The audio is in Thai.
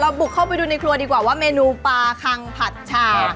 บุกเข้าไปดูในครัวดีกว่าว่าเมนูปลาคังผัดชา